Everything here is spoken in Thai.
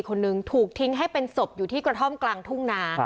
คนหนึ่งถูกทิ้งให้เป็นศพอยู่ที่กระท่อมกลางทุ่งนา